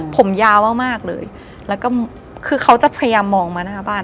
ผมยาวมากมากเลยแล้วก็คือเขาจะพยายามมองมาหน้าบ้าน